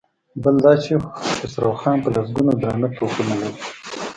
بل دا چې خسرو خان په لسګونو درانه توپونه لري.